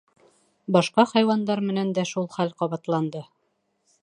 Башҡа хайуандар менән дә шул хәл ҡабатланды.